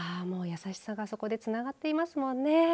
優しさがそこでつながっていますもんね。